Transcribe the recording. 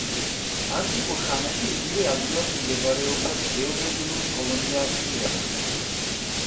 ანტიკურ ხანაში, იგივე ადგილას მდებარეობდა ძველბერძნული კოლონია კირენა.